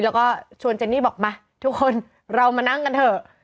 แล้วก็ชวนเจนนี่บอกมาทุกคนเรามานั่งกันเถอะ